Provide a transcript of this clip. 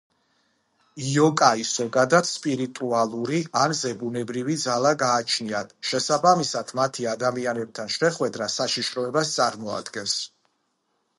იოკაის ზოგადად სპირიტუალური ან ზებუნებრივი ძალა გააჩნიათ, შესაბამისად მათი ადამიანებთან შეხვედრა საშიშროებას წარმოადგენს.